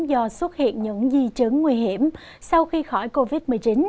do xuất hiện những di chứng nguy hiểm sau khi khỏi covid một mươi chín